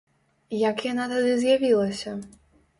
Як яна тады з'явілася?